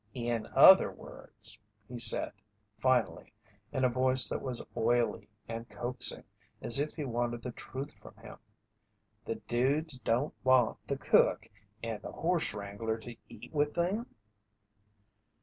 "In other words," he said, finally, in a voice that was oily and coaxing, as if he wanted the truth from him, "the dudes don't want the cook and the horse wrangler to eat with them?"